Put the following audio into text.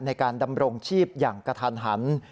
ในการดำรงชีพอย่างกระทันหัน